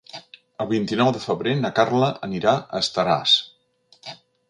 El vint-i-nou de febrer na Carla anirà a Estaràs.